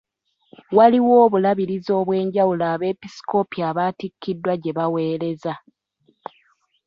Waliwo obulabirizi obw'enjawulo abeepisikoopi abatikkiddwa gye baweereza.